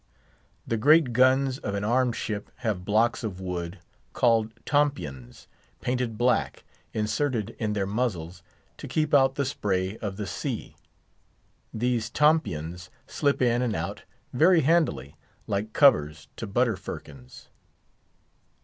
The great guns of an armed ship have blocks of wood, called tompions, painted black, inserted in their muzzles, to keep out the spray of the sea. These tompions slip in and out very handily, like covers to butter firkins.